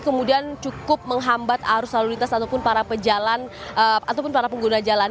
kemudian cukup menghambat arus lalu lintas ataupun para pejalan ataupun para pengguna jalan